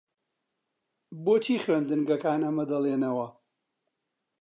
بۆچی لە خوێندنگەکان ئەمە دەڵێنەوە؟